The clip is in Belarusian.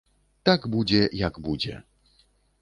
Так будзе, як будзе!